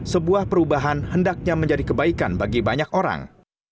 sebuah perubahan hendaknya menjadi kebaikan bagi banyak orang